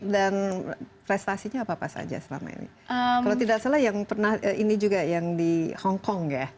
dan prestasinya apa apa saja selama ini kalau tidak salah ini juga yang di hongkong ya